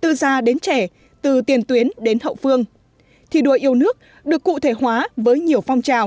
từ già đến trẻ từ tiền tuyến đến hậu phương thi đua yêu nước được cụ thể hóa với nhiều phong trào